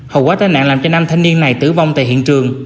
hầu quá tai nạn làm cho nam thanh niên này tử vong tại hiện trường